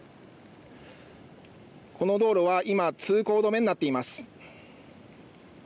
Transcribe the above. この道路は今、通行止めになっています。